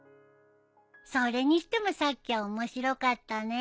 それにしてもさっきは面白かったね。